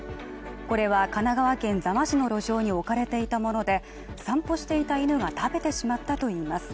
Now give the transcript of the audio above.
これは神奈川県座間市の路上に置かれていたもので散歩していた犬が食べてしまったといいます。